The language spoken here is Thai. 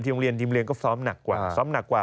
ทีมโรงเรียนทีมเรียนก็ซ้อมหนักกว่า